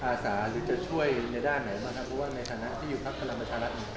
เพราะว่าในฐานะที่อยู่พักธรรมชาติมันเป็นไง